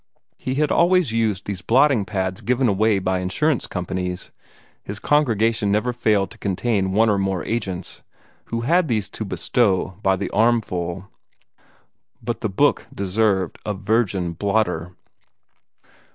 He had always used those blotting pads given away by insurance companies his congregations never failed to contain one or more agents, who had these to bestow by the armful but the book deserved a virgin blotter.